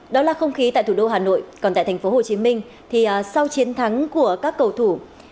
đó là không khí tại thủ đô hà nội còn tại thành phố hồ chí minh thì sau chiến thắng của các cầu thủ